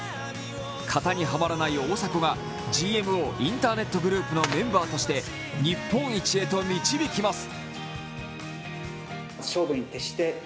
型にはまらない大迫がＧＭＯインターネットグループのメンバーとして日本一へと導きます。